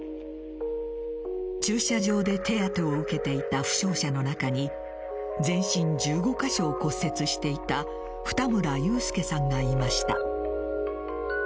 駐車場で手当てを受けていた負傷者の中に全身１５か所を骨折していた二村祐輔さんがいました。